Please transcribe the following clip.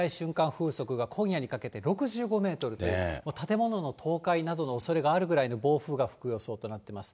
風速が今夜にかけて６５メートルという、建物の倒壊などのおそれがあるぐらいの暴風が吹く予想となっています。